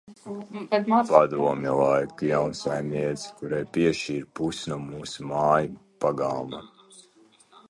Padomju laiku jaunsaimniece, kurai piešķīra pusi no mūsu māju pagalma.